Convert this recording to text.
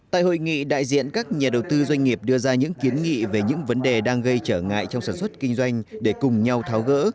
tại hội nghị đại diện các nhà đầu tư doanh nghiệp đưa ra những kiến nghị về những vấn đề đang gây trở ngại trong sản xuất kinh doanh để cùng nhau tháo gỡ